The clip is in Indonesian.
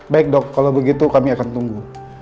baik dok kalau begitu kami akan tunggu